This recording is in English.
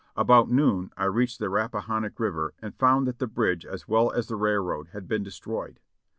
About noon I reached the Rappahannock River and found that the bridge as well as the railroad had been destroyed.